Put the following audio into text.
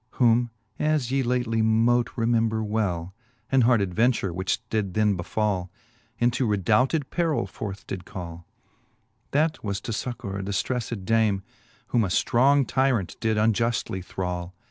Whom ('as ye lately mote remember well) An hard adventure, which did then befall, Into redoubted perill forth did call ; That was, to fuccour a diftrejGTed dame, Whom a ftrong tyrant did unjuftJy thrall.